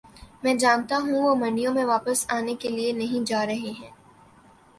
میں جانتا ہوں وہ منڈیوں میں واپس آنے کے لیے نہیں جا رہے ہیں